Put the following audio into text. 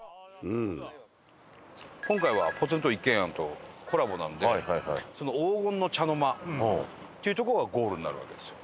今回は『ポツンと一軒家』とコラボなのでその黄金の茶の間っていうとこがゴールになるわけですよ。